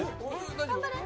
頑張れ。